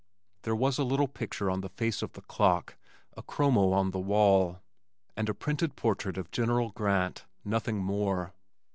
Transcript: There was a little picture on the face of the clock, a chromo on the wall, and a printed portrait of General Grant nothing more.